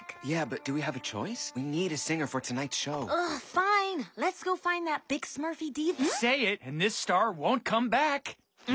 はい。